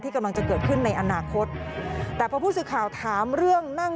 กำลังจะเกิดขึ้นในอนาคตแต่พอผู้สื่อข่าวถามเรื่องนั่ง